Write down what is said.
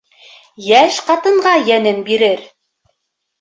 Йәш ҡатынға йәнен бирер